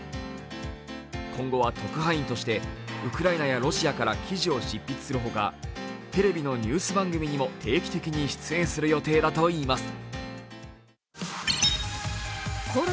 今後は特派員としてウクライナやロシアから記事を執筆するほか、テレビのニュース番組にも定期的に出演する予定だといいます。